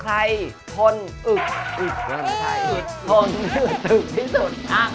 ใครคือผู้แข็งแกร่งอึดถึกทนที่สุดในรายการคะ